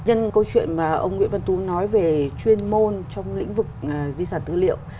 nhân câu chuyện mà ông nguyễn văn tú nói về chuyên môn trong lĩnh vực di sản tư liệu